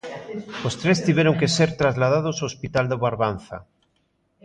Os tres tiveron que ser trasladados ao Hospital da Barbanza.